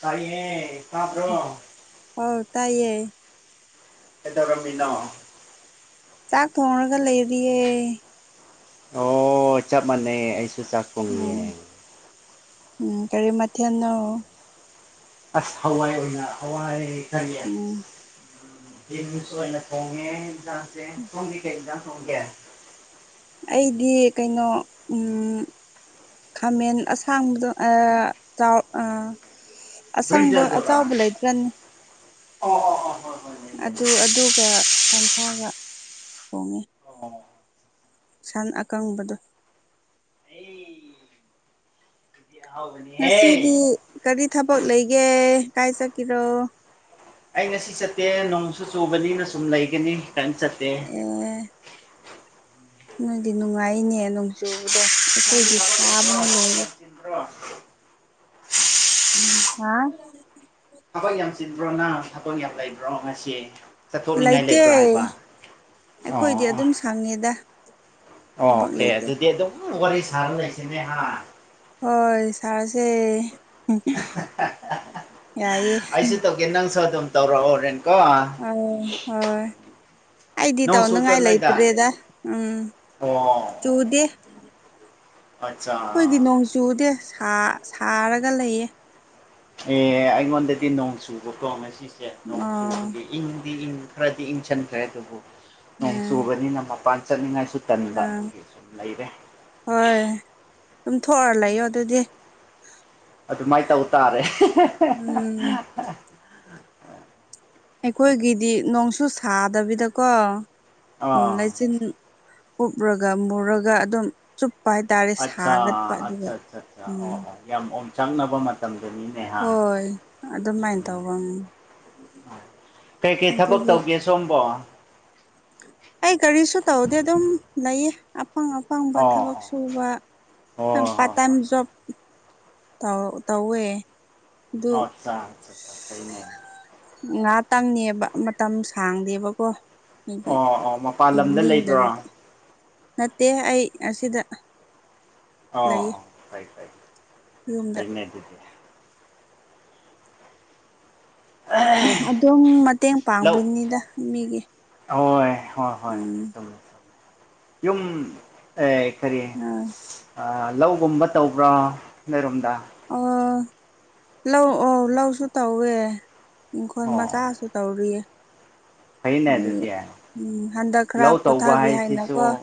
ꯀꯥꯏꯌꯦꯦ ꯑꯣ ꯇꯥꯏꯌꯦ ꯑꯦꯗꯔꯝꯃꯤꯅꯥ ꯆꯥꯛ ꯊꯣꯡꯉꯒ ꯂꯩꯔꯤꯌꯦꯦ ꯑꯣ ꯆꯞ ꯃꯥꯟꯅꯩ ꯑꯩꯁꯨ ꯆꯥꯛ ꯊꯣꯡꯉꯤꯌꯦ ꯎꯝ ꯎꯝ ꯀꯔꯤ ꯃꯊꯦꯜꯅꯣ ꯑꯁ ꯍꯋꯥꯏ ꯑꯣꯏꯅ ꯍꯋꯥꯏ ꯀꯔꯤ ꯎꯝ [unintelligible] [unintelligible] ꯑꯣꯏꯅ ꯊꯣꯡꯉꯦ ꯏꯟꯁꯥꯡ ꯁꯦ ꯁꯣꯝꯗꯤ ꯀꯧ ꯏꯟꯁꯥꯡ ꯊꯣꯡꯒꯦ ꯑꯩꯗꯤ ꯀꯩꯅꯣ ꯎꯝ ꯈꯥꯃꯦꯟ ꯑꯁꯥꯡꯕꯗꯣ ꯑ ꯆꯥꯎ ꯑ [unintelligible] ꯂꯩꯇ꯭ꯔꯅꯦ ꯑꯣ ꯍꯣꯏ ꯂꯩ ꯑꯗꯨ ꯂꯩ ꯑꯗꯨꯒ ꯀꯥꯡꯁꯣꯏꯒ ꯊꯣꯡꯉꯦ ꯑꯣ ꯁꯟ ꯑꯀꯪꯕꯗꯣ ꯑꯩ ꯑꯗꯨꯗꯤ ꯑꯍꯥꯎꯕꯅꯤꯍꯦ ꯉꯁꯤꯗꯤ ꯀꯔꯤ ꯊꯕꯛ ꯂꯩꯒꯦ ꯀꯥꯏ ꯆꯠꯀꯤꯔꯣ ꯑꯩ ꯉꯁꯤ ꯆꯠꯇꯦ ꯅꯣꯡꯁꯨ ꯆꯨꯕꯅꯤꯅ ꯁꯨꯝ ꯂꯩꯒꯅꯤ ꯀꯔꯤꯝ ꯆꯠꯇꯦ ꯑꯦ ꯅꯣꯏꯗꯤ ꯅꯨꯡꯉꯥꯏꯅꯦ ꯅꯣꯡꯖꯨꯕꯗ ꯅꯪꯗꯤ ꯑꯩꯈꯣꯏꯗꯤ ꯊꯕꯛ ꯂꯩꯕ꯭ꯔꯣ ꯁꯥꯕꯅ ꯂꯣꯏꯔꯦ [unintelligible] ꯎꯝ ꯍꯥ ꯊꯕꯛ ꯌꯥꯝ ꯆꯤꯟꯕ꯭ꯔꯣ ꯅꯪ ꯊꯕꯛ ꯌꯥꯝ ꯂꯩꯕ꯭ꯔꯣ ꯉꯁꯤ ꯆꯠꯊꯣꯛꯅꯤꯡꯉꯥꯏ ꯂꯩꯇꯦ ꯂꯩꯕ꯭ꯔꯥ ꯍꯥꯏꯕ ꯑꯣ ꯑꯣ ꯈꯪꯉꯤꯗ ꯑꯣ ꯀꯦ ꯑꯗꯨꯗꯤ ꯑꯗꯨꯝ ꯋꯥꯔꯤ ꯁꯥꯔ ꯂꯩꯁꯤꯅꯦ ꯍꯥ ꯍꯣꯏ ꯁꯥꯔꯁꯦ ꯍꯝ ꯌꯥꯏꯌꯦ ꯀꯦ ꯅꯪꯁꯨ ꯑꯗꯨꯝ ꯇꯧꯔꯛꯑꯣ ꯍꯣꯔꯦꯟ ꯀꯣ ꯑꯝ ꯍꯣꯏ ꯑꯩꯗꯤ ꯅꯣꯡ ꯇꯧꯅꯤꯡꯉꯥꯏ ꯆꯨꯗ꯭ꯔꯣ ꯅꯣꯏꯗ ꯂꯩꯇ꯭ꯔꯦꯗ ꯎꯝ ꯑꯣ ꯆꯨꯗꯦ ꯑꯠꯆꯥ ꯑꯩꯈꯣꯏꯗꯤ ꯅꯣꯡ ꯆꯨꯗꯦ ꯁꯥꯔꯒ ꯂꯩꯌꯦ ꯑꯦ ꯑꯩꯉꯣꯟꯗꯗꯤ ꯅꯣꯡ ꯆꯨꯕꯀꯣ ꯉꯁꯤꯁꯦ ꯅꯣꯡ ꯑꯣ ꯆꯨꯕꯒꯤ ꯏꯪꯗꯤ ꯏꯪ ꯈꯔꯗꯤ ꯏꯪꯁꯤꯟꯈ꯭ꯔꯦ ꯑꯗꯨꯕꯨ ꯅꯣꯡ ꯆꯨꯕꯅꯤꯅ ꯃꯄꯥꯟ ꯆꯠꯅꯤꯡꯉꯥꯏꯁꯨ ꯇꯟꯕ ꯑꯥ ꯑꯗꯨꯒꯤ ꯁꯨꯝ ꯂꯩꯔꯦ ꯍꯣꯏ ꯑꯗꯨꯝ ꯊꯣꯛꯑ ꯂꯩꯌꯣ ꯑꯗꯨꯗꯤ ꯑꯗꯨꯃꯥꯏꯅ ꯇꯧ ꯇꯥꯔꯦ ꯎꯝ ꯑꯩꯈꯣꯏꯒꯤꯗꯤ ꯅꯣꯡꯁꯨ ꯁꯥꯗꯕꯤꯗꯀꯣ ꯑꯥ ꯂꯩꯆꯤꯟ ꯎꯞꯔꯒ ꯃꯨꯔꯒ ꯑꯗꯨꯝ ꯆꯨꯞꯄ ꯍꯥꯏꯇꯥꯔꯦ ꯑꯠꯆꯥ ꯁꯥꯒꯠꯄ ꯑꯗꯨꯒ ꯑꯠꯆꯥ ꯑꯠꯆꯥ ꯑꯠꯆꯥ ꯎꯝ ꯑꯣ ꯑꯣ ꯌꯥꯝ ꯑꯣꯝꯆꯥꯛꯅꯕ ꯃꯇꯝꯗꯨꯅꯤꯅꯦ ꯍꯥ ꯍꯣꯏ ꯑꯗꯨꯃꯥꯏꯅ ꯇꯧꯕ ꯎꯝ ꯀꯩ ꯀꯩ ꯊꯕꯛ ꯑꯗꯨꯗꯤ ꯇꯧꯒꯦ ꯁꯣꯝꯕꯣ ꯑꯩ ꯀꯔꯤꯁꯨ ꯇꯧꯗꯦ ꯑꯗꯨꯝ ꯂꯩꯌꯦ ꯑꯄꯥꯪ ꯑꯄꯥꯪꯕ ꯊꯕꯛ ꯑꯣ ꯁꯨ ꯁꯨꯕ ꯍꯣꯏ ꯄꯥꯔꯠ ꯍꯣꯏ ꯇꯥꯏꯝ ꯍꯣꯏ ꯖꯣꯕ ꯇꯧ ꯇꯧꯋꯦ ꯑꯗꯨ ꯑꯣ ꯑꯆꯥ ꯐꯩꯅꯦ ꯉꯥ ꯇꯪꯅꯦꯕ ꯃꯇꯝ ꯁꯥꯡꯗꯦꯕꯀꯣ ꯑꯩꯒꯤ ꯑꯣ ꯑꯣ ꯃꯄꯥꯟ ꯂꯝꯗ ꯏꯚꯤꯅꯤꯡꯗ ꯂꯩꯕ꯭ꯔꯣ ꯑꯣ ꯅꯠꯇ ꯅꯠꯇꯦ ꯑꯩ ꯑꯁꯤꯗ ꯂꯩꯌꯦ ꯑꯣ ꯐꯥꯏ ꯐꯥꯏ ꯌꯨꯝꯗ ꯐꯩꯅꯦ ꯑꯗꯨꯗꯤ ꯑꯗꯨꯝ ꯃꯇꯦꯡ ꯂꯧ ꯄꯥꯡꯕꯤꯅꯤꯗ ꯃꯤꯒꯤ ꯍꯣꯏ ꯍꯣꯏ ꯍꯣꯏ ꯎꯝ [unintelligible] ꯌꯨꯝ ꯑ ꯀꯔꯤ ꯑ ꯑ ꯂꯧꯒꯨꯝꯕ ꯇꯧꯕ꯭ꯔꯣ ꯅꯣꯏꯔꯣꯝꯗ ꯑꯣ ꯂꯧ ꯑꯣ ꯂꯧꯁꯨ ꯇꯧꯋꯦ ꯏꯪꯈꯣꯜ ꯑꯣ ꯃꯆꯥꯁꯨ ꯇꯧꯔꯤꯌꯦ ꯐꯩꯅꯦ ꯑꯗꯨꯗꯤ ꯎꯝ ꯍꯟꯗꯛ ꯈꯔ ꯂꯧ ꯇꯧꯕ ꯄꯣꯊꯥꯒꯦ ꯍꯥꯏꯅꯀꯣ ꯍꯥꯏꯁꯤꯁꯨ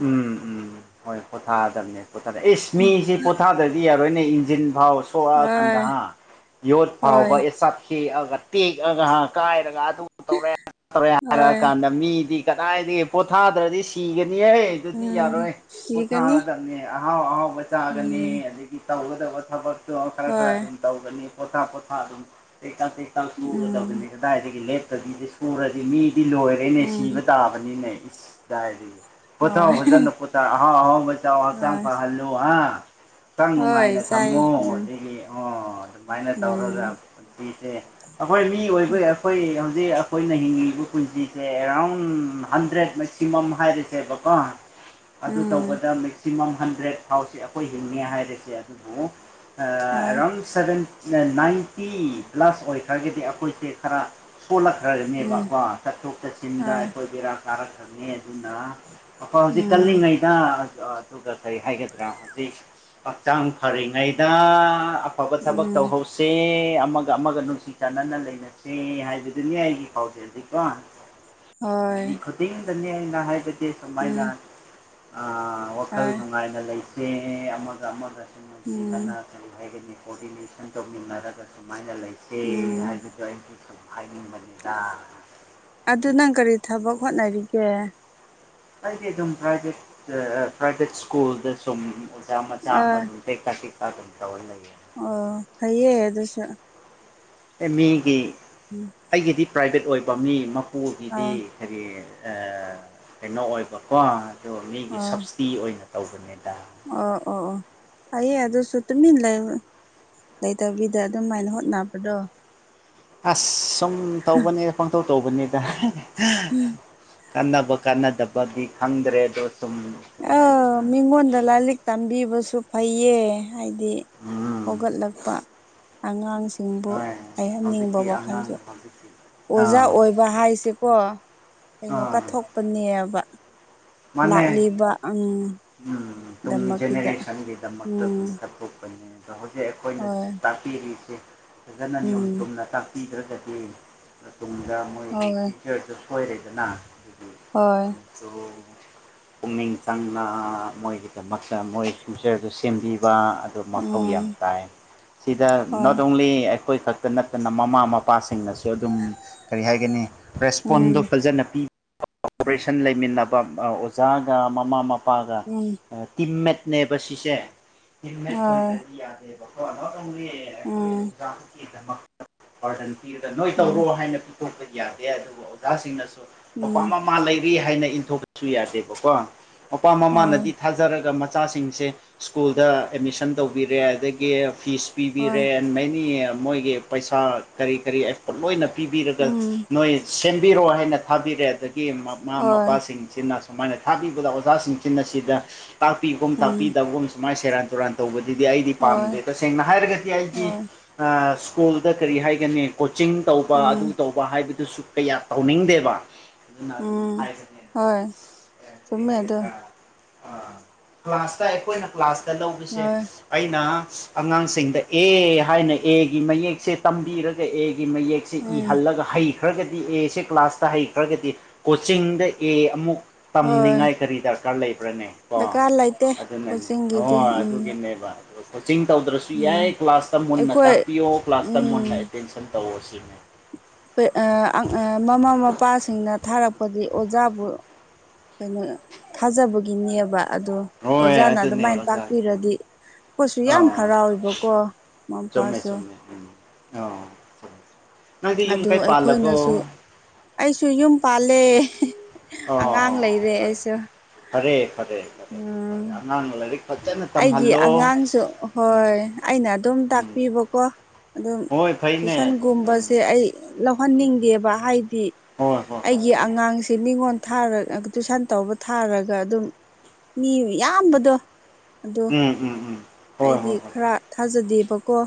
ꯎꯝ ꯎꯝ ꯍꯣꯏ ꯄꯣꯊꯥꯗꯕꯅꯦ ꯄꯣꯊꯥꯗ ꯑꯦꯁ ꯃꯤꯁꯤ ꯄꯣꯊꯥꯗ꯭ꯔꯗꯤ ꯌꯥꯔꯣꯏꯅꯦ ꯏꯟꯖꯤꯟ ꯐꯥꯎ ꯍꯣꯏ ꯊꯣꯛꯂꯛꯑꯀꯥꯟꯗ ꯌꯣꯠ ꯍꯣꯏ ꯐꯥꯎꯕ ꯑꯦꯞ ꯍꯦꯛꯑꯒ ꯇꯦꯛꯑꯒ ꯀꯥꯏꯔꯒ ꯇꯧꯔꯦ ꯑꯗꯥꯇꯧꯔꯦ ꯍꯣꯏ ꯍꯥꯏꯔꯛꯑꯀꯥꯟꯗ ꯃꯤꯗꯤ ꯀꯗꯥꯏꯗꯒꯤ ꯄꯣꯊꯥꯗ꯭ꯔꯗꯤ ꯁꯤꯒꯅꯤꯍꯦ ꯑꯗꯨꯗꯤ ꯎꯝ ꯌꯥꯔꯣꯏ ꯁꯤꯒꯅꯤ ꯄꯣꯊꯥꯔꯗꯅꯦ ꯑꯍꯥꯎ ꯑꯍꯥꯎꯕ ꯎꯝ ꯆꯥꯒꯅꯤ ꯑꯗꯒꯤ ꯇꯧꯒꯗꯕ ꯊꯕꯠꯇꯨ ꯈꯔ ꯈꯔ ꯍꯣꯏ ꯑꯗꯨꯝ ꯇꯧꯒꯅꯤ ꯄꯣꯊꯥ ꯄꯣꯊꯥ ꯑꯗꯨꯝ ꯀꯀꯪ ꯇꯩꯀꯪ ꯎꯝ ꯁꯨꯒꯗꯕꯅꯤ ꯀꯗꯥꯏꯗꯒꯤ ꯂꯦꯞꯇꯕꯤꯗꯤ ꯁꯨꯔꯗꯤ ꯃꯤꯗꯤ ꯂꯣꯏꯔꯦꯅꯦ ꯁꯤ ꯎꯝ ꯄꯇꯥꯕꯅꯤꯅꯦ ꯏꯁꯗꯥꯏꯔꯤ ꯍꯣꯏ ꯄꯨꯊꯣꯖ ꯄꯨꯊ ꯑꯆꯥꯡ ꯍꯣꯏ ꯐ ꯍꯜꯂꯨ ꯍꯥ ꯈꯤꯇꯪ ꯍꯣꯏ ꯅꯨꯡꯉꯥꯏꯅ ꯆꯥꯏ ꯊꯝꯃꯣ ꯎꯝ ꯑꯗꯒꯤ ꯑꯣ ꯑꯗꯨꯃꯥꯏꯅ ꯇꯧꯔꯒ ꯎꯝ ꯃꯤꯁꯦ ꯑꯩꯈꯣꯏ ꯃꯤ ꯑꯣꯏꯕꯩ ꯑꯩꯈꯣꯏ ꯍꯧꯖꯤꯛ ꯑꯩꯈꯣꯏꯅ ꯍꯤꯡꯉꯤꯕ ꯄꯨꯟꯁꯤꯁꯦ ꯑꯦꯔꯥꯎꯟ ꯎ ꯍꯟꯗ꯭ꯔꯦꯠ ꯃꯦꯛꯁꯤꯃꯝ ꯍꯥꯏꯔꯤꯁꯦꯕꯀꯣ ꯑꯗꯨ ꯎꯝ ꯇꯧꯕꯗ ꯁꯤꯃꯝ ꯍꯟꯗ꯭ꯔꯦꯗ ꯐꯥꯎꯁꯦ ꯑꯩꯈꯣꯏ ꯍꯤꯡꯉꯦ ꯍꯥꯏꯔꯤꯁꯦ ꯑꯗꯨꯕꯨ ꯍꯣꯏ ꯑꯦꯔꯥꯎꯟ ꯁꯚꯦꯟ ꯅꯥꯏꯟꯇꯤ ꯄ꯭ꯂꯁ ꯑꯣꯏꯈ꯭ꯔꯒꯗꯤ ꯑꯩꯈꯣꯏꯁꯦ ꯈꯔ ꯎꯝ ꯁꯣꯜꯂꯛꯈ꯭ꯔꯕꯅꯦꯕꯀꯣ ꯆꯠꯊꯣꯛ ꯆꯠꯁꯤꯟꯗ ꯍꯣꯏ ꯑꯩꯈꯣꯏ ꯕꯦꯔꯥ ꯀꯥꯔꯛꯈ꯭ꯔꯕꯅꯤ ꯑꯗꯨꯅ ꯑ ꯍꯧꯖꯤꯗꯤ ꯀꯜꯂꯤ ꯎꯝ ꯉꯩ ꯑꯗꯨꯒ ꯀꯔꯤ ꯍꯥꯏꯒꯗ꯭ꯔꯥ ꯍꯧꯖꯤꯛ ꯍꯛꯆꯥꯡ ꯐꯔꯤꯉꯩꯗ ꯍꯒꯠ ꯁꯕꯒ ꯇꯧ ꯎꯝ ꯍ ꯁꯦ ꯑꯃꯒ ꯑꯃꯒ ꯅꯨꯡꯁꯤ ꯆꯥꯟꯅꯅ ꯂꯩꯅꯁꯦ ꯍꯥꯏꯕꯗꯨꯅꯤ ꯑꯩꯒꯤ ꯄꯥꯎꯖꯦꯜꯗꯀꯣ ꯍꯣꯏ ꯃꯤ ꯈꯨꯗꯤꯤꯡꯗꯅꯤ ꯅꯍꯥꯏꯕꯗꯒꯤ ꯁꯃꯥꯏꯅ ꯎꯝ ꯋꯥꯈꯜ ꯍꯣꯏ ꯅꯨꯡꯉꯥꯏꯅ ꯂꯩꯇꯦ ꯑꯃꯒ ꯑꯃꯒꯁꯨ ꯎꯝ ꯅꯨꯡꯁꯤꯅꯅ ꯑꯗꯨ ꯍꯥꯏꯒꯅꯤ ꯀꯣꯑꯣꯗꯤꯅꯦꯁꯟ ꯇꯧꯃꯤꯟꯅꯔꯒ ꯁꯨꯃꯥꯏꯅ ꯂꯩꯇꯦ ꯎꯝ ꯍꯥꯏꯕꯗꯣ ꯑꯩꯒꯤ ꯑꯝꯐꯥꯏꯅꯤ ꯃꯗ ꯑꯗꯨ ꯅꯪ ꯀꯔꯤ ꯊꯕꯛ ꯍꯣꯠꯅꯔꯤꯒꯦ ꯍꯥꯏꯗꯤ ꯑꯗꯨꯝ ꯄ꯭ꯔꯥꯏꯚꯦꯠ ꯄ꯭ꯔꯥꯏꯚꯦꯠ ꯁ꯭ꯀꯨꯜꯗ ꯁꯨꯝ ꯑꯣꯖꯥ ꯃꯆꯥ ꯑꯃ ꯑꯥ ꯑꯗꯨꯝ ꯂꯩꯀꯥ ꯆ ꯀꯥ ꯑꯗꯨꯝ ꯇ ꯑꯣꯏꯟ ꯂꯩꯦ ꯑꯣ ꯐꯩꯌꯦ ꯑꯗꯨꯁꯨ ꯑꯦꯃꯤꯒꯤ ꯎꯝ ꯑꯩꯒꯤꯗꯤ ꯄ꯭ꯔꯥꯏꯕꯦꯠ ꯑꯣꯏꯕ ꯃꯤ ꯃꯄꯨꯒꯤꯗꯤ ꯑꯣ ꯍꯥꯏꯗꯤ ꯀꯩꯅꯣ ꯑꯣꯏꯕꯀꯣ ꯑꯗꯨ ꯃꯤꯒꯤ ꯁ ꯑꯣ ꯇꯤ ꯑꯣꯏꯅ ꯇꯧꯕꯅꯦꯗ ꯑꯣ ꯑꯣ ꯑꯣ ꯇꯥꯏꯌꯦ ꯑꯗꯨꯁꯨ ꯇꯨꯃꯤ ꯂꯩꯕ ꯂꯩꯇꯕꯤꯗ ꯑꯗꯨꯝꯃꯥꯏꯅ ꯍꯣꯠꯅꯕꯗꯣ ꯑꯁ ꯁꯨꯝ ꯇꯧꯕꯅꯦꯗ ꯄꯪꯊꯧꯧ ꯇꯧꯕꯅꯦꯗ ꯎꯝ ꯀꯟꯅꯕ ꯀꯟꯅꯗꯕꯒꯤ ꯈꯪꯗ꯭ꯔꯦ ꯑꯗꯣ ꯁꯨꯝꯅ ꯑꯥ ꯃꯤꯉꯣꯟꯗ ꯂꯥꯏꯔꯤꯛ ꯇꯝꯕꯤꯕꯁꯨ ꯐꯩꯌꯦ ꯍꯥꯏꯗꯤ ꯎꯝ ꯍꯧꯒꯠꯂꯛꯄ ꯑꯉꯥꯡꯁꯤꯡꯕꯨ ꯍꯥꯏꯍꯟꯅꯤꯡꯕ ꯋꯥꯈꯜꯁꯨ ꯊꯥꯟꯕꯤ ꯑꯣꯖꯥ ꯑꯣꯏꯕ ꯍꯥꯏꯁꯦꯀꯣ ꯀꯩꯅꯣ ꯑꯥ ꯀꯠꯊꯣꯛꯄꯅꯦꯕ ꯃꯥꯅꯦ ꯂꯥꯛꯂꯤꯕ ꯎꯝ ꯇꯨꯡ ꯗꯃꯛꯀꯤꯗ ꯖꯦꯅꯦꯔꯦꯁꯟꯒꯤꯗꯃꯛꯇ ꯑꯗꯨꯝ ꯎꯝ ꯀꯠꯊꯣꯛꯄꯅꯦ ꯑꯗꯣ ꯍꯧꯖꯤꯛ ꯑꯩꯈꯣꯏꯅ ꯍꯣꯏ ꯄꯤꯔꯤꯁꯦ ꯐꯖꯅ ꯅꯤꯌꯣꯝ ꯎꯝ ꯆꯨꯝꯅ ꯇꯥꯛꯄꯤꯗ꯭ꯔꯒꯗꯤ ꯇꯨꯡꯗ ꯃꯣꯏꯒꯤ ꯍꯣꯏ ꯐ꯭ꯌꯨꯆꯔꯗ ꯁꯣꯏꯔꯗꯅ ꯍꯥꯏꯒꯤ ꯍꯣꯏ ꯀꯩꯅꯣ ꯇꯣ ꯄꯨꯛꯃꯤꯅꯤꯡ ꯁ ꯃꯣꯏꯒꯤꯗꯃꯛꯇ ꯃꯣꯏ ꯐ꯭ꯌꯨꯆꯔꯗꯨ ꯁꯦꯝꯕꯤꯕ ꯃꯊꯧ ꯌꯥꯝ ꯎꯝ ꯇꯥꯏ ꯁꯤꯗ ꯍꯣꯏ ꯅꯣꯠ ꯑꯣꯡꯂꯤ ꯑꯩꯈꯣꯏ ꯈꯛ ꯇ ꯅꯠꯇꯅ ꯃꯃꯥ ꯃꯄꯥꯁꯤꯡꯅꯁꯨ ꯑꯗꯨꯝ ꯀꯔꯤ ꯍꯥꯏꯒꯅꯤ ꯔꯦꯁꯄꯣꯟꯗꯣ ꯎꯝ ꯐꯖꯅ ꯄꯤ ꯑꯣꯄꯔꯦꯁꯟ ꯂꯩꯃꯤꯟꯅꯕ ꯑꯣꯖꯥꯒ ꯃꯃꯥ ꯃꯄꯥꯒ ꯎꯝ ꯇꯤꯝꯃꯦꯠꯅꯦꯕ ꯁꯤꯁꯦ ꯇꯤꯝꯃꯦꯠ ꯍꯣꯏ ꯑꯣꯏꯗ꯭ꯔꯗꯤ ꯌꯥꯗꯦꯕ ꯀꯣ ꯅꯣꯏ ꯇꯧꯅꯤ ꯑꯩꯈꯣꯏ ꯎꯝ ꯑꯣꯖꯥꯗꯨꯀꯤꯗꯃꯛꯇ ꯔꯗꯟ ꯄꯤꯔꯒ ꯅꯣꯏ ꯇꯧꯔꯣ ꯎꯝ ꯍꯥꯏꯅ ꯄꯤ ꯇꯣꯛꯄ ꯌꯥꯗꯦ ꯑꯗꯨꯒ ꯑꯣꯖꯥꯁꯤꯡꯅꯁꯨ ꯃꯄꯥ ꯎꯝ ꯃꯃꯥ ꯂꯩ ꯀ꯭ꯔꯤ ꯍꯥꯏꯅ ꯏꯟꯊꯣꯛꯄꯁꯨ ꯌꯥꯗꯦꯕꯀꯣ ꯃꯄꯥ ꯃꯃꯥꯅꯗꯤ ꯍꯣꯏ ꯊꯥꯖꯔꯒ ꯃꯆꯥꯁꯤꯡꯁꯦ ꯁ꯭ꯀꯨꯜꯗ ꯑꯦꯗꯃꯤꯁꯟ ꯇꯧꯕꯤꯔꯦ ꯑꯗꯒꯤ ꯐꯤꯁ ꯍꯣꯏ ꯄꯤꯕꯤꯔꯦ ꯃꯦꯅꯤ ꯃꯣꯏꯒꯤ ꯄꯩꯁꯥ ꯀꯔꯤ ꯀꯔꯤ ꯑꯦꯐꯣꯔꯠ ꯂꯣꯏꯅ ꯄꯤꯕꯤꯔꯒ ꯎꯝ ꯅꯣꯏ ꯁꯦꯝꯕꯤꯔꯣ ꯍꯥꯏꯅ ꯊꯥꯕꯤꯔꯦ ꯑꯗꯒꯤ ꯃꯃꯥ ꯍꯣꯏ ꯃꯄꯥꯁꯤꯡꯁꯤꯅ ꯁꯨꯃꯥꯏꯅ ꯊꯥꯕꯤꯕꯗ ꯑꯣꯥꯁꯤꯡꯁꯤꯟ ꯑꯁꯤꯗ ꯇꯥꯛꯄꯤꯒꯣꯨꯝ ꯎꯝ ꯇꯥꯛꯄꯤꯗꯕꯒꯨꯝ ꯁꯨꯃꯥꯏꯅ ꯁꯦꯔꯥꯟ ꯇꯨꯔꯥꯟ ꯇꯧꯕꯗꯨꯗꯤ ꯑꯩꯗꯤ ꯍꯣꯏ ꯄꯥꯝꯗꯦ ꯇꯁꯦꯡꯅ ꯍꯥꯏꯔꯒꯗꯤ ꯑꯩꯒꯤ ꯍꯣꯏ ꯁ꯭ꯀꯨꯜꯗ ꯀꯔꯤ ꯍꯥꯏꯒꯅꯤ ꯀꯣꯆꯤꯡ ꯇꯧꯕ ꯑꯗꯨ ꯎꯝ ꯇꯧꯕ ꯍꯥꯏꯕꯗꯨꯁꯨ ꯀꯌꯥ ꯇꯧꯅꯤꯡꯗꯦꯕ ꯑꯗꯨꯅ ꯑꯗꯨꯝ ꯎꯝ ꯍꯥꯏꯕꯅꯤ ꯍꯣꯏ ꯆꯃꯃꯦ ꯑꯗꯨ ꯑꯥ ꯀ꯭ꯂꯥꯁꯇ ꯑꯩꯈꯣꯏꯅ ꯀ꯭ꯂꯥꯁꯇ ꯂꯧꯕꯁꯦ ꯍꯣꯏ ꯑꯩꯅ ꯑꯉꯥꯡꯁꯤꯡꯗ ꯑꯦ ꯍꯥꯏꯅ ꯑꯦꯒꯤ ꯃꯌꯦꯛꯁꯦ ꯇꯝꯕꯤꯔꯒ ꯑꯦꯒꯤ ꯃꯌꯦꯛ ꯁꯦ ꯏ ꯎꯝ ꯍꯜꯂꯒ ꯍꯩꯈ꯭ꯔꯒꯗꯤ ꯑꯦꯁꯦ ꯀ꯭ꯂꯥꯁꯇ ꯍꯩꯈ꯭ꯔꯒꯗꯤ ꯀꯣꯆꯤꯡꯗ ꯑꯦ ꯑꯃꯨꯛ ꯍꯣꯏ ꯇꯝꯅꯤꯡꯉꯥꯏ ꯀꯔꯤ ꯗꯔꯀꯥꯔ ꯂꯩꯕ꯭ꯔꯅꯦ ꯀꯣ ꯗꯔꯀꯥꯔ ꯂꯩꯇꯦ ꯑꯗꯨꯅꯅꯦ ꯍ ꯀꯣꯆꯤꯡꯒꯤꯗꯤ ꯎꯝ ꯑꯗꯨꯒꯤꯅꯦꯕ ꯀꯣꯆꯤꯡ ꯇꯧꯗ꯭ꯔꯁꯨ ꯎꯝ ꯌꯥꯏ ꯀ꯭ꯂꯥꯁꯇ ꯃꯨꯟꯅ ꯑꯩꯈꯣꯏ ꯇꯥꯛꯄꯤꯌꯣ ꯀ꯭ꯂꯥꯁꯇ ꯃꯨꯟꯅ ꯎꯝ ꯑꯦꯇꯦꯟꯁꯟ ꯇꯧꯕ ꯑꯁꯤꯅꯤ ꯃꯃꯥ ꯃꯄꯥꯁꯤꯡꯅ ꯊꯥꯔꯛꯄꯗꯤ ꯑꯣꯖꯥꯕꯨ ꯀꯩꯅꯣ ꯊꯥꯖꯕꯒꯤꯅꯦꯕ ꯑꯗꯣ ꯍꯣꯏ ꯑꯣꯖꯥꯅ ꯑꯗꯨꯅꯦ ꯑꯗꯨꯃꯥꯏꯅ ꯑꯣꯖꯥ ꯎꯝ ꯇꯥꯛꯄꯤꯔꯗꯤ ꯑꯩꯈꯣꯏꯁꯨ ꯌꯥꯝ ꯍꯔꯥꯎꯋꯦꯕꯀꯣ ꯃꯃꯥ ꯆꯃꯃꯦ ꯃꯄꯥꯁꯨ ꯆꯣꯃꯃꯦ ꯎꯝ ꯑ ꯅꯪꯗꯤ ꯌꯨꯝ ꯑꯗꯨ ꯀꯥꯏ ꯄꯥꯜꯂꯒꯣ ꯑꯩꯈꯣꯏꯅꯁꯨ ꯑꯩꯁꯨ ꯌꯨꯝ ꯄꯥꯜꯂꯦ ꯑꯣ ꯑꯉꯥꯡ ꯑꯣ ꯑꯣ ꯂꯩꯔꯦ ꯑꯩꯁꯨ ꯐꯔꯦ ꯐꯔꯦ ꯎꯝ ꯑꯅꯥꯥꯡ ꯂꯩ ꯑꯩꯒꯤ ꯑꯉꯥꯡꯁꯨ ꯎꯝ ꯍꯣꯏ ꯑꯩꯅ ꯑꯗꯨꯝ ꯎꯝ ꯇꯥꯛꯄꯤꯕꯀꯣ ꯑꯗꯨꯝ ꯍꯣꯏ ꯐꯩꯅꯦ ꯇꯨꯏꯁꯟ ꯑꯗꯣ ꯐꯩꯅꯦ ꯒꯨꯝꯕꯁꯦ ꯑꯩ ꯂꯧꯍꯟꯅꯤꯡꯗꯦꯕ ꯍꯥꯏꯗꯤ ꯍꯣꯏ ꯍꯣꯏ ꯍꯣꯏ ꯑꯩꯒꯤ ꯎꯝ ꯑꯉꯥꯡꯁꯦ ꯃꯤꯉꯣꯟ ꯊꯥꯔ ꯇꯨꯏꯁꯟ ꯇꯧꯕ ꯊꯥꯔꯒ ꯑꯗꯨꯝ ꯃꯤ ꯌꯥꯝꯕꯗꯣ ꯑꯗꯨ ꯎꯝ ꯎꯝ ꯎꯝ ꯍꯣꯏ ꯑꯩꯗꯤ ꯍꯣꯏ ꯍꯣꯏ ꯈꯔ ꯊꯥꯖꯗꯦꯕꯀꯣ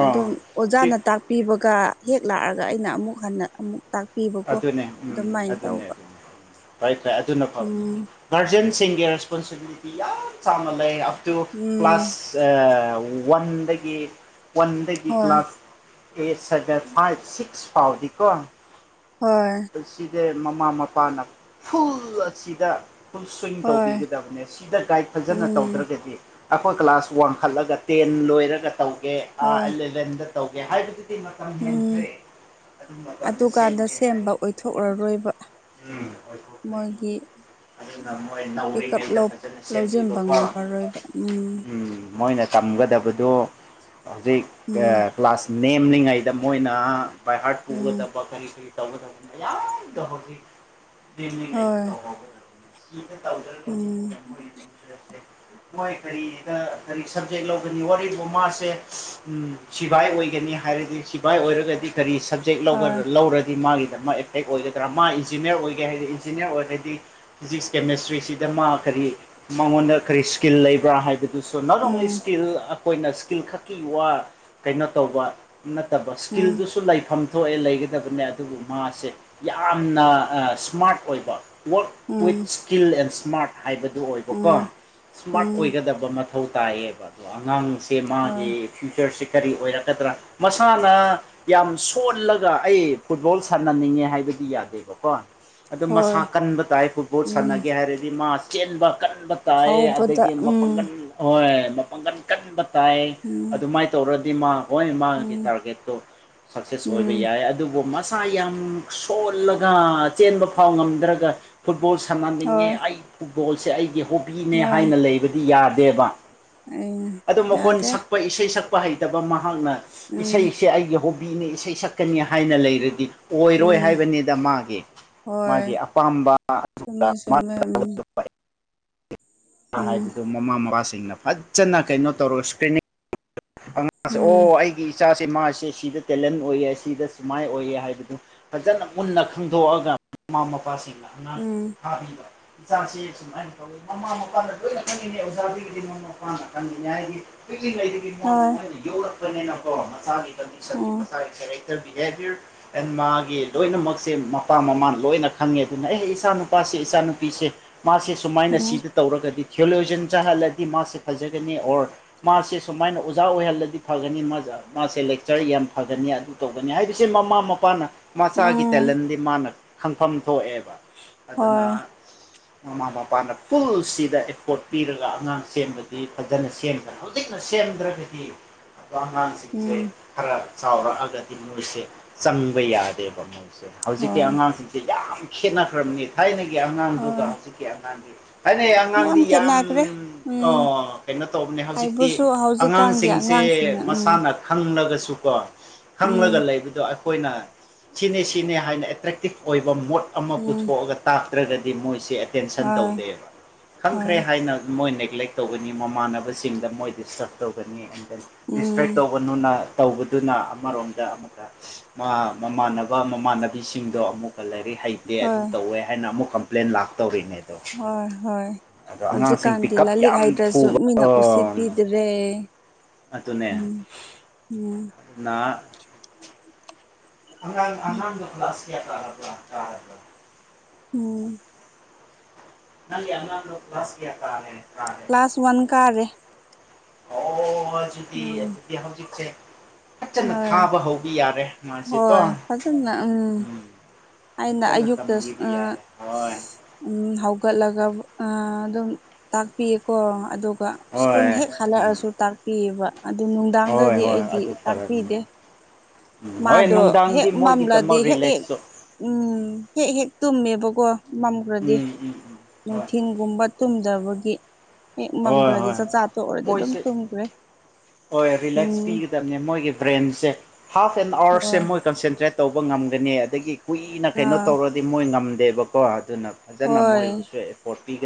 ꯑꯥ ꯑꯗꯨꯝ ꯑꯣꯖꯥꯅ ꯇꯥꯛ ꯄꯤꯕꯒ ꯍꯦꯛ ꯂꯥꯛꯑꯒ ꯑꯩꯅ ꯑꯃꯨꯛ ꯍꯟꯅ ꯑꯃꯨꯛ ꯇꯥꯛ ꯑꯗꯨꯅꯦ ꯎꯝ ꯑꯗꯨꯅꯦ ꯑꯗꯨꯅꯦ ꯎꯝ ꯐꯔ ꯐꯔꯦ ꯑꯗꯨꯅ ꯐꯕꯅꯤ ꯎꯝ ꯒꯥꯔꯖꯤꯦꯟꯁꯤꯡꯒꯤ ꯔꯦꯁꯄꯣꯟꯁꯤꯕꯤꯂꯤꯇꯤ ꯌꯥꯝ ꯆꯥꯎꯅ ꯂꯩ ꯑꯞꯇꯨ ꯎꯝ ꯀ꯭ꯂꯥꯁ ꯋꯥꯟꯗꯒꯤ ꯋꯥꯟꯗꯒꯤ ꯍꯣꯏ ꯀ꯭ꯂꯥꯁ ꯑꯦꯠ ꯁꯗꯦ ꯐꯥꯏꯚ ꯁꯤꯛꯁ ꯐꯥꯎꯅꯤꯀꯣ ꯍꯣꯏ ꯑꯁꯤꯗꯦ ꯃꯃꯥ ꯃꯄꯥꯅ ꯐꯨꯜ ꯑꯁꯤꯗ ꯐꯨꯜ ꯁ꯭ꯋꯤꯡ ꯍꯣꯏ ꯇꯧꯕꯤꯒꯗꯕꯅꯦ ꯁꯤꯗ ꯒꯥꯏꯗ ꯐꯖꯅ ꯎꯝ ꯇꯧꯗ꯭ꯔꯒꯗꯤ ꯑꯩꯈꯣꯏ ꯀ꯭ꯂꯥꯁ ꯋꯥꯡꯈꯠꯂꯒ ꯇꯦꯟ ꯂꯣꯏꯔꯒ ꯇꯧꯒꯦ ꯍꯣꯏ ꯑꯦꯂꯚꯦꯟꯗ ꯇꯧꯒꯦ ꯍꯥꯏꯕꯗꯤ ꯤ ꯃꯇꯝ ꯎꯝ ꯍꯦꯟꯈ꯭ꯔꯦ ꯑꯗꯨꯝ ꯃꯇꯝꯗ ꯁꯦꯝꯒꯦ ꯑ ꯁꯦꯝꯦꯝꯕ ꯍꯥꯏꯔꯗꯤ ꯑꯣꯏꯊꯣꯛꯂꯔꯣꯏꯕ ꯎꯝ ꯑꯣꯏꯊꯣꯛꯈ꯭ꯔꯦ ꯃꯣꯏꯒꯤ ꯑꯗꯨꯅ ꯃꯣꯏ ꯄꯤꯀꯞ ꯅꯧꯔꯤꯉꯩꯗ ꯂꯧ ꯐꯖꯅ ꯂꯧꯁꯤꯟꯕ ꯁꯦꯝꯕꯤꯕꯀꯣ ꯉꯝꯃꯔꯣꯏꯕ ꯎꯝ ꯃꯣꯏꯅ ꯇꯝꯒꯗꯕꯗꯨ ꯍꯧꯖꯤꯛ ꯎꯝ ꯀ꯭ꯂꯥꯁ ꯅꯦꯝꯂꯤꯉꯩꯗ ꯃꯣꯏꯅ ꯍꯥꯠ ꯎꯝ ꯀꯒꯗꯕ ꯀꯔꯤꯁꯤꯔꯤ ꯇꯧꯕ ꯇ ꯌꯥꯗ ꯍ ꯗꯜꯂꯤꯉ ꯍꯣꯏ ꯀꯥꯎꯕꯒꯁꯨ ꯇꯥꯎꯖꯟ ꯎꯝ ꯃꯣꯏ ꯀꯔꯤꯗ ꯀꯔꯤ ꯁꯕꯖꯦꯛ ꯂꯧꯒꯅꯤ ꯋꯥꯔꯤꯕ ꯃꯥꯁꯦ ꯎꯝ ꯁꯤꯚꯥꯏ ꯑꯣꯏꯒꯅꯤ ꯍꯥꯏꯔꯗꯤ ꯁꯤꯚꯥꯏ ꯑꯣꯏꯔꯒꯗꯤ ꯀꯔꯤ ꯁꯕꯖꯦꯛ ꯍꯣꯏ ꯂꯧꯔꯗꯤ ꯃꯥꯒꯤꯗꯃꯛ ꯑꯦꯐꯦꯛ ꯑꯣꯏꯒꯗ꯭ꯔꯥ ꯃꯥ ꯏꯟꯖꯤꯅꯤꯌꯔ ꯑꯣꯏꯒꯦ ꯍꯥꯏꯔꯗꯤ ꯏꯟꯖꯤꯅꯤꯌꯔ ꯑꯣꯏꯔꯗꯤ ꯐꯤꯖꯤꯛꯁ ꯀꯦꯃꯦꯁꯇ꯭ꯔꯤꯁꯤꯗ ꯃꯥ ꯀꯔꯤ ꯃꯉꯣꯟꯗ ꯀꯔꯤ ꯏꯁꯀꯤꯜ ꯂꯩꯕ꯭ꯔꯥ ꯍꯥꯏꯕꯗꯤ ꯑꯗꯨꯁꯨ ꯅꯣꯠ ꯑꯣꯡꯂꯤ ꯎꯝ ꯏꯁꯀꯤꯜ ꯑꯩꯈꯣꯏꯅ ꯏꯁ꯭ꯀꯤꯜ ꯈꯛꯀꯤ ꯋꯥ ꯀꯩꯅꯣ ꯇꯧꯕ ꯅꯠꯇꯕ ꯎꯝ ꯏꯁꯀꯤꯜꯗꯨꯁꯨ ꯂꯩꯐꯝ ꯊꯣꯛꯑꯦ ꯂꯩꯒꯗꯕꯅꯦ ꯑꯗꯨꯕꯨ ꯃꯥꯁꯦ ꯌꯥꯝꯅ ꯁ꯭ꯃꯥꯔꯠ ꯑꯣꯏꯕ ꯔꯛ ꯎꯝ ꯋꯤꯠꯁ ꯁ꯭ꯀꯤꯜ ꯑꯦꯟ ꯁ꯭ꯃꯥꯔꯠ ꯍꯥꯏꯕꯗꯨ ꯑꯣꯏꯕꯀꯣ ꯎꯝ ꯁ꯭ꯃꯥꯔꯠ ꯎꯝ ꯑꯣꯏꯒꯗꯕ ꯃꯊꯧ ꯇꯥꯏꯑꯦꯕ ꯑꯗꯣ ꯑꯉꯥꯡꯁꯦ ꯍꯣꯏ ꯃꯥꯒꯤ ꯐ꯭ꯌꯨꯆꯔꯁꯤꯦ ꯀꯔꯤ ꯑꯣꯏꯔꯛꯀꯗ꯭ꯔꯥ ꯃꯁꯥꯅ ꯌꯥꯝ ꯁꯣꯜꯂꯒ ꯑꯩ ꯐꯨꯠꯕꯣꯜ ꯁꯥꯟꯅꯅꯤꯡꯉꯦ ꯍꯥꯏꯕꯗꯤ ꯌꯥꯗꯦꯕꯀꯣ ꯑꯗ ꯃꯁꯥ ꯍꯣꯏ ꯀꯟꯕ ꯇꯥꯏ ꯐꯨꯠꯕꯣꯜ ꯎꯝ ꯁꯥꯟꯅꯒꯦ ꯍꯥꯏꯔꯗꯤ ꯃꯥ ꯆꯦꯟꯕ ꯀꯟꯕ ꯇꯥꯏ ꯍꯧꯕꯗ ꯑꯗꯒꯤ ꯎꯝ ꯃꯄꯥꯡꯒꯟ ꯍꯣꯏ ꯃꯄꯥꯡꯒꯟ ꯀꯟꯕ ꯇꯥꯏ ꯎꯝ ꯑꯗꯨꯃꯥꯏꯅ ꯇꯧꯔꯗꯤ ꯃꯥ ꯍꯣꯏ ꯃꯥꯒꯤ ꯎꯝ ꯇꯥꯔꯒꯦꯠꯇꯣ ꯁꯛꯁꯦꯁ ꯑꯣꯏꯕ ꯎꯝ ꯌꯥꯏ ꯑꯗꯨ ꯑꯗꯨꯕꯨ ꯃꯁꯥ ꯌꯥꯝ ꯁꯣꯜꯂꯒ ꯆꯦꯟꯕ ꯐꯥꯎ ꯉꯝꯗ꯭ꯔꯒ ꯐꯨꯠꯕꯣꯜ ꯁꯥꯟꯍꯟꯅꯤꯡꯉꯦ ꯍꯣꯏ ꯑꯩ ꯐꯨꯠꯕꯣꯜꯁꯦ ꯑꯩꯒꯤ ꯍꯣꯕꯤꯅꯦ ꯍꯣꯏ ꯍꯥꯏꯅ ꯂꯩꯕꯗꯤ ꯌꯥꯗꯦꯕ ꯎꯝ ꯑꯗꯨ ꯃꯈꯣꯟ ꯌꯥꯗꯦ ꯁꯛꯄ ꯏꯁꯩ ꯁꯛꯄ ꯍꯩꯇꯕ ꯃꯍꯥꯛꯅ ꯎꯝ ꯏꯁꯩꯁꯦ ꯑꯩꯒꯤ ꯍꯧ ꯃꯤꯅꯦ ꯏꯁꯩ ꯁꯛꯀꯅꯤ ꯍꯥꯏꯅ ꯂꯩꯔꯒ ꯑꯣꯏꯔꯣꯏ ꯎꯝ ꯍꯥꯏꯕꯅꯤꯗ ꯃꯥꯒꯤ ꯃꯥꯒꯤ ꯑꯄꯥꯝꯕ ꯁꯨꯝꯃꯦ ꯁꯃꯦ ꯎꯝ ꯎꯝ ꯍꯥꯏꯕꯗꯨ ꯃꯃꯥ ꯃꯄꯥꯁꯤꯡꯅ ꯐꯖꯅ ꯀꯩꯅꯣ ꯇꯧꯔꯒ ꯏꯁꯀ꯭ꯔꯤꯅꯤꯡ ꯑꯉꯥꯁꯦ ꯎꯝ ꯑꯣ ꯑꯩꯒꯤ ꯏꯆꯥꯁꯦ ꯃꯥꯁꯦ ꯁꯤꯗ ꯇꯦꯂꯦꯟ ꯑꯣꯏꯌꯦ ꯁꯤꯗ ꯁꯨꯃꯥꯏꯅ ꯑꯣꯏꯌꯦ ꯍꯥꯏꯕꯗꯨ ꯐꯖꯅ ꯃꯨꯟꯅ ꯈꯪꯗꯣꯛꯑꯒ ꯃꯃꯥ ꯃꯄꯥꯁꯤꯡꯅ ꯑꯉꯥꯡꯁꯤꯡꯁ ꯎꯝ ꯐꯥꯕꯤꯕ ꯏꯆꯥꯁꯤ ꯁꯨꯃꯥꯏꯅ ꯇꯧꯋꯤ ꯃꯃꯥ ꯃꯄꯥꯅ ꯂꯣꯏꯅ ꯈꯪꯉꯤꯅꯦ ꯑꯣꯖꯥꯗꯒꯤꯗꯤ ꯃꯃꯥ ꯃꯄꯥꯅ ꯈꯪꯉꯤꯅꯦ ꯍꯥꯏꯒ ꯄꯤꯛꯏꯉꯩꯗꯨꯗꯤ ꯃꯅ ꯍꯣꯏ ꯃꯣꯏꯅ ꯌꯧꯔꯛꯄꯅꯤꯅꯀꯣ ꯃꯁꯥꯒꯤ ꯀꯟꯗꯤꯁꯟ ꯎꯝ ꯃꯁꯥꯒꯤ ꯕꯤꯍꯦꯕꯤꯌꯔ ꯑꯦꯟ ꯃꯥꯒꯤ ꯂꯣꯏꯅꯃꯛꯁꯦ ꯃꯄꯥ ꯃꯃꯥꯟ ꯂꯣꯏꯅ ꯈꯪꯉꯦ ꯑꯗꯨꯅ ꯑꯩ ꯏꯆꯥ ꯅꯨꯨꯄꯥꯁꯦ ꯏꯆꯥꯅꯨꯄꯤꯁꯦ ꯃꯥꯔꯁꯤꯁ ꯁꯨꯃꯥꯏꯅ ꯎꯝ ꯁꯤꯗ ꯇꯧꯔꯒꯗꯤ ꯊꯤꯌꯑꯣꯂꯣꯖꯟ ꯆꯥꯍꯜꯂꯗꯤ ꯃꯥꯁꯦ ꯐꯖꯒꯅꯤ ꯑꯣꯔ ꯃꯥꯁꯦ ꯁꯨꯃꯥꯏꯅ ꯑꯣꯖꯥ ꯑꯣꯏꯍꯜꯂꯗꯤ ꯐꯒꯅꯤ ꯃꯥ ꯃꯥꯁꯦ ꯂꯦꯛꯆꯔ ꯌꯥꯝ ꯐꯒꯅꯤ ꯑꯗꯨ ꯇꯧꯒꯅꯤ ꯍꯥꯏꯕꯁꯦ ꯃꯃꯥ ꯃꯄꯥꯅ ꯃꯁꯆꯥꯒꯤ ꯎꯝ ꯇꯦꯂꯦꯟꯗꯤ ꯃꯥꯅ ꯈꯪꯐꯝ ꯊꯣꯛꯑꯦꯕ ꯑꯗꯨꯅ ꯍꯣꯏ ꯃꯃꯥ ꯃꯄꯥꯅ ꯐꯨꯜꯁꯤꯗ ꯑꯦꯐꯣꯔꯠ ꯄꯤꯔꯒ ꯑꯉꯥꯡ ꯁꯦꯝꯕꯗꯤ ꯐꯖꯅ ꯁꯦꯝꯃꯤ ꯍꯧꯖꯤꯛꯅ ꯁꯦꯝꯗ꯭ꯔꯒꯗꯤ ꯑꯉꯥꯡ ꯎꯝ ꯈꯔ ꯆꯥꯎꯔꯛꯑꯒꯗꯤ ꯃꯣꯏꯁꯦ ꯆꯪꯕ ꯌꯥꯗꯦꯕ ꯃꯣꯏꯁꯦ ꯍꯧꯖꯤꯛꯀꯤ ꯍꯣꯏ ꯑꯉꯥꯡꯁꯤꯡ ꯁꯤ ꯌꯥꯝ ꯈꯦꯠꯅꯈ꯭ꯔꯕꯅꯤ ꯊꯥꯏꯅꯒꯤ ꯑꯉꯥꯡꯗꯨꯒ ꯍꯣꯏ ꯍꯧꯖꯤꯛꯀꯤ ꯑꯉꯥꯡꯒꯤ ꯍꯥꯏꯅꯩ ꯑꯉꯥꯡꯗꯤ ꯌꯥꯝ ꯈꯦꯠꯅꯈ꯭ꯔꯦ ꯎꯝ ꯑꯣ ꯀꯩꯅꯣ ꯇꯧꯕꯅꯦ ꯍꯧꯖꯤꯛꯇꯤ ꯍꯥꯏꯕꯨꯁꯨ ꯑꯉꯥꯡ ꯍꯧꯖꯤꯛꯀꯥꯟꯒꯤ ꯁꯤꯡꯁꯤ ꯑꯉꯥꯡꯁꯤꯡꯅ ꯎꯝ ꯃꯁꯥꯅ ꯈꯪꯂꯒꯁꯨ ꯀꯣ ꯎꯝ ꯈꯪꯂꯒ ꯂꯩꯕꯗꯣ ꯑꯩꯈꯣꯏꯅ ꯁꯤꯅꯤ ꯁꯤꯅꯤ ꯍꯥꯏꯅ ꯑꯦꯇ꯭ꯔꯦꯛ ꯑꯦꯛꯇꯤꯛ ꯑꯣꯏꯕ ꯃꯣꯠ ꯑꯃ ꯎꯝ ꯄꯨꯊꯣꯛꯑꯒ ꯇꯥꯛꯇ꯭ꯔꯒꯗꯤ ꯃꯣꯏꯁꯦ ꯇꯦꯟꯁꯟ ꯍꯣꯏ ꯇꯧꯗꯦꯕ ꯍꯣꯏ ꯈꯪꯈ꯭ꯔꯦ ꯍꯥꯏꯅ ꯃꯣꯏ ꯅꯦꯒ꯭ꯂꯦꯛ ꯇꯧꯒꯅꯤ ꯃꯃꯥꯟꯅꯕꯁꯤꯡꯗ ꯃꯣꯏ ꯗꯤꯁꯇ꯭ꯔꯔꯕ ꯇꯧꯒꯅꯤ ꯑꯦꯟ ꯗꯦꯟ ꯗꯤꯁꯇ꯭ꯔꯦꯛ ꯎꯝ ꯇꯧꯕꯅꯅ ꯇꯧꯕꯗꯨꯅ ꯑꯃꯔꯣꯝꯗ ꯑꯃꯨꯛꯀ ꯃꯥ ꯃꯃꯥꯟꯅꯕ ꯃꯃꯥꯟꯅꯕꯤꯁꯤꯡꯗꯣ ꯑꯃꯨꯛ ꯂꯩꯥꯏꯔꯤ ꯍꯩꯇꯦ ꯑꯗꯨ ꯍꯣꯏ ꯇꯧꯋꯦ ꯍꯥꯏꯅ ꯑꯃꯨꯛ ꯀꯝꯄ꯭ꯂꯦꯟ ꯂꯥꯛꯇꯧꯔꯤꯅꯦ ꯑꯗꯣ ꯍꯣꯏ ꯍꯣꯏ ꯑꯗꯣ ꯑꯉꯥꯡꯁꯤꯡ ꯍꯧꯖꯤꯛꯀꯥꯟꯗꯤ ꯄꯤꯛꯀꯞ ꯂꯥꯂꯤꯛ ꯌꯥꯝ ꯍꯥꯏꯗ꯭ꯔꯁꯨ ꯊꯨꯕ ꯃꯤꯅ ꯎꯁꯤꯠꯄꯤꯤꯗ꯭ꯔꯦ ꯑꯗꯨꯅꯦ ꯎꯝ ꯅꯅꯥ [unintelligible] ꯎꯝ ꯅꯪꯒꯤ ꯑꯉꯣꯟ ꯀ꯭ꯂꯥꯁ ꯀꯥꯅꯥ ꯀ꯭ꯂꯥꯁ ꯋꯥꯟ ꯀꯥꯔꯦ ꯑꯣ ꯑꯗꯨꯗꯤ ꯎꯝ ꯑꯗꯨꯗꯤ ꯍꯧꯖꯤꯛꯁꯦ ꯐꯖꯅ ꯍꯣꯏ ꯊꯥꯕ ꯍꯧꯕ ꯌꯥꯔꯦ ꯍꯣꯏ ꯃꯥꯁꯦꯀꯣ ꯐꯖꯅ ꯎꯝ ꯑꯩꯅ ꯐꯖꯅ ꯑꯌꯨꯛꯇ ꯇꯝꯕꯤꯕ ꯌꯥꯔꯦ ꯍꯣꯏ ꯎꯝ ꯍꯧꯒꯠꯂꯒ ꯑꯗꯨꯝ ꯇꯥꯛꯄꯤꯌꯦꯀꯣ ꯑꯗꯨꯒ ꯁ꯭ꯀꯨꯜ ꯍꯣꯏ ꯍꯦꯛ ꯎꯝ ꯍꯜꯂꯛꯑꯁꯨ ꯇꯥꯛꯄꯤꯑꯕ ꯑꯗꯨ ꯍꯣꯏ ꯅꯨꯡꯗꯥꯡꯗꯗꯤ ꯍꯣꯏ ꯑꯩꯗꯤ ꯑꯗꯨ ꯐꯔꯅꯤ ꯇꯥꯛꯄꯤꯗꯦ ꯎꯝ ꯍꯣꯏ ꯃꯥꯗꯣ ꯍꯦꯛ ꯅꯨꯡꯗꯥꯡꯗꯤ ꯃꯝꯂꯗꯤ ꯃꯣꯏꯒꯤꯗꯃꯛ ꯍꯦꯛ ꯍꯦꯛ ꯔꯤꯂꯦꯛꯁꯇꯣ ꯎꯝ ꯍꯦꯛ ꯍꯦꯛ ꯇꯨꯝꯃꯦꯕꯀꯣ ꯃꯝꯈ꯭ꯔꯗꯤ ꯎꯝ ꯎꯝ ꯎꯝ ꯍꯣꯏ ꯅꯨꯡꯊꯤ ꯇꯨꯡꯒꯨꯝꯕ ꯇꯨꯝꯗꯕꯒꯤ ꯍꯦꯛ ꯍꯣꯏ ꯃꯝꯈ꯭ꯔꯗꯤ ꯍꯣꯏ ꯆꯥꯛꯆꯥ ꯇꯣꯛꯔꯗꯤ ꯑꯗꯨꯝ ꯃꯣꯏꯁꯦ ꯇꯨꯝꯈ꯭ꯔꯦ ꯎꯝ ꯕꯅꯦ ꯃꯣꯏꯒꯤ ꯕ꯭ꯔꯦꯟꯁꯦ ꯍꯥꯐ ꯑꯦꯟ ꯑꯋꯥꯔꯁꯦ ꯍꯣꯏ ꯃꯣꯏ ꯀꯟꯁꯦꯟꯇ꯭ꯔꯦꯠ ꯇꯧꯕ ꯉꯝꯒꯅꯤ ꯑꯗꯒꯤ ꯀꯨꯏꯅ ꯀꯩꯅꯣ ꯑꯥ ꯇꯧꯔꯗꯤ ꯃꯣꯏ ꯉꯝꯗꯦꯕꯀꯣ ꯑꯗꯨꯅ ꯐꯖꯅ ꯍꯣꯏ ꯍꯣꯏ ꯃꯣꯏꯕꯨꯁꯨ ꯑꯦꯐꯣꯔꯠ ꯄꯤꯒ